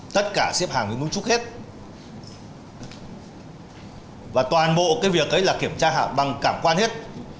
tất cả xếp hàng với núi trúc hết và toàn bộ cái việc ấy là kiểm tra bằng cảm quan hết